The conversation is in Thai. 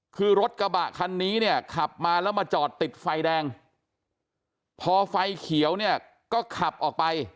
คือรถกระบะคันนี้เนี่ยขับมาแล้วมาจอดติดไฟแดงพอไฟเขียวเนี่ยก็ขับออกไป